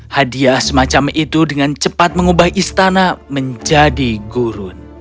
hadiah semacam itu dengan cepat mengubah istana menjadi gurun